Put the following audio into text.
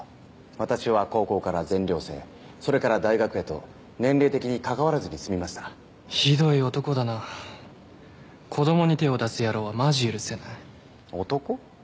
私は高校から全寮生それから大学へと年齢的に関わらずに済みましたひどい男だな子どもに手を出す野郎はマジ許せない男？